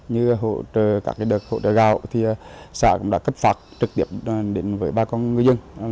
như hỗ trợ các đất hỗ trợ gạo xã cũng đã cấp phạt trực tiếp đến với ba con ngư dân